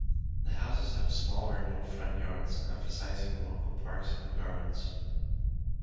The houses have small or no front yards, emphasizing local parks and gardens.